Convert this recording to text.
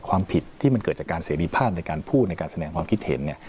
ความผิดที่มันเกิดจากการเสรีภาพในการพูดในการแสดงความคิดเห็นเนี่ย